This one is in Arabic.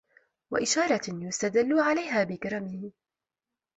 وَإِشَارَةٍ يُسْتَدَلُّ عَلَيْهَا بِكَرْمِهِ